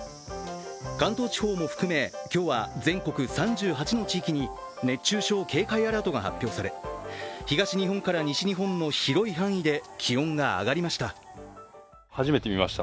関東地方も含め今日は全国３８の地域に熱中症警戒アラートが発表され東日本から西日本の広い範囲で気温が上がりました。